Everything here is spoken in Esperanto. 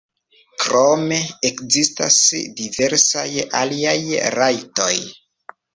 Krome ekzistas diversaj aliaj rajtoj.